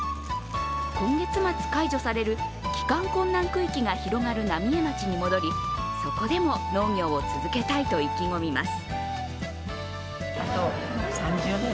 今月末解除される帰還困難区域が広がる浪江町に戻り、そこでも農業を続けたいと意気込みます。